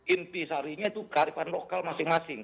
inti sarinya itu kearifan lokal masing masing